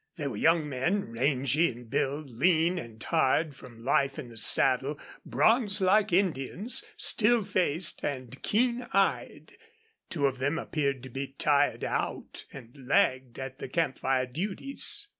They were young men, rangy in build, lean and hard from life in the saddle, bronzed like Indians, still faced, and keen eyed. Two of them appeared to be tired out, and lagged at the camp fire duties.